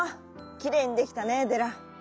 きれいにできたねデラ。